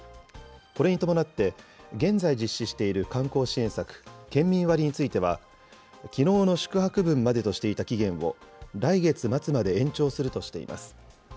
これに伴って、現在実施している観光支援策、県民割についてはきのうの宿泊分までとしていた期限を、来月末まで延長するとしています。